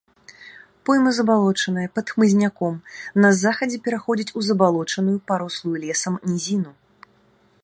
Пойма забалочаная, пад хмызняком, на захадзе пераходзіць у забалочаную, парослую лесам нізіну.